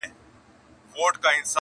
په یوه سترګک یې داسي هدف و ویشت.